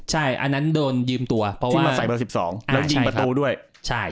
ใช่อันนั้นโดนยืมตัวเพราะว่ามาใส่เบอร์๑๒แล้วยิงประตูด้วยใช่